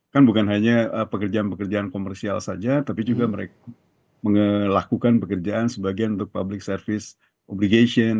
kan bukan hanya pekerjaan pekerjaan komersial saja tapi juga melakukan pekerjaan sebagian untuk public service obligation